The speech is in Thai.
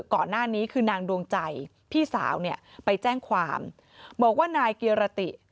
ก่อนหน้านี้คือนางดวงใจพี่สาวเนี่ยไปแจ้งความบอกว่านายเกียรติ